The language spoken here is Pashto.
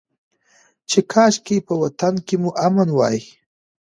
چې کاشکي په وطن کې مو امن وى.